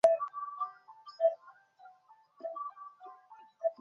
ও কে হে!